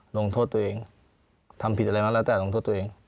ลงโทษตัวเองทำผิดอะไรมาแล้วแต่ลงโทษตัวเอง